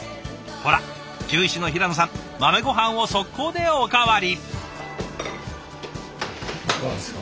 ほら獣医師の平野さん豆ごはんを即行でおかわり。